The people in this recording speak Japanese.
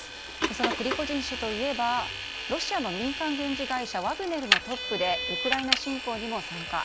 そのプリゴジン氏といえばロシアの民間軍事会社ワグネルのトップでウクライナ侵攻にも参加。